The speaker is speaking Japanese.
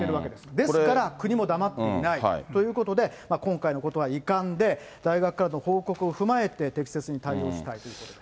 ですから、国も黙っていないということで、今回のことは遺憾で、大学からの報告を踏まえて適切に対応したいということです。